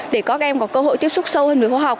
để các em có cơ hội tiếp xúc sâu hơn với khoa học